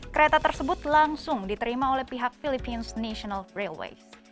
kereta tersebut langsung diterima oleh pihak philippines national railways